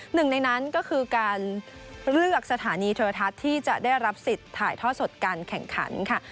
หนึ่งในนั้นก็คือการเลือกสถานีโทรทัศน์ที่จะได้รับสิทธิ์ถ่ายท่อสดการแข่งขันค่ะ